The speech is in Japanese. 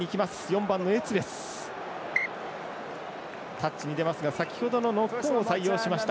タッチに出ますが先ほどのノックオンを採用しました。